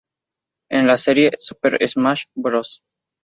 En la serie "Super Smash Bros.